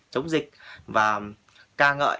chống giặc đẩy cam